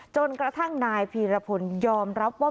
จนกระทั่งนายพีรพลยอมรับว่า